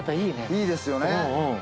いいですよね。